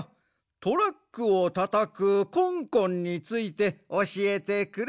トラックをたたくコンコンについておしえてくれ。